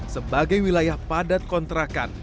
sebagai wilayah padat kontrakan